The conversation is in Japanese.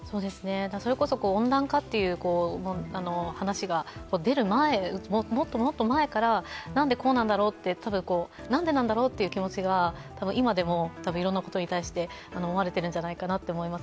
それこそ温暖化という話が出る前、もっともっと前からなんでこうなんだろうって、なんでなんだろうという気持ちが今でもいろんなことに対して思われているんじゃないかと思います。